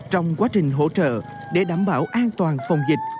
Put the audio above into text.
trong quá trình hỗ trợ để đảm bảo an toàn phòng dịch